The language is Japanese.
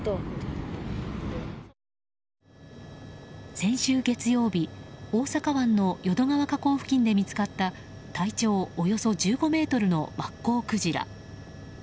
先週月曜日、大阪湾の淀川河口付近で見つかった体長およそ１５ｍのマッコウクジラ。